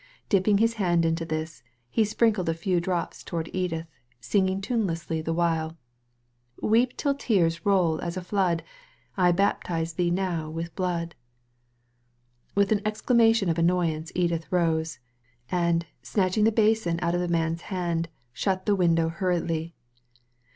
Dipping his hand into this, he sprinkled a few drops towards Edith, singing tune lessly the while :—«« Weep tin tears roU as a flood, I baptise thee now with blood." With an exclamation of annoyance Edith rose, and, snatching the basin out of the man's hand, shut the window hurriedly.